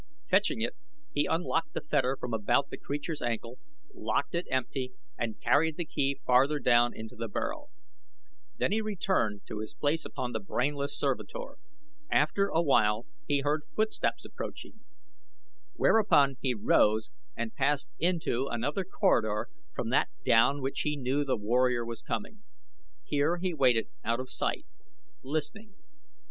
Fetching it he unlocked the fetter from about the creature's ankle, locked it empty and carried the key farther down into the burrow. Then he returned to his place upon his brainless servitor. After a while he heard footsteps approaching, whereupon he rose and passed into another corridor from that down which he knew the warrior was coming. Here he waited out of sight, listening.